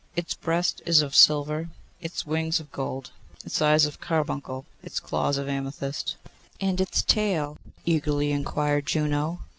'Its breast is of silver, its wings of gold, its eyes of carbuncle, its claws of amethyst.' 'And its tail?' eagerly inquired Juno.